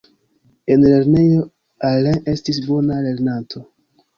En lernejo, Alain estis bona lernanto.